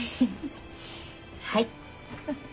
はい！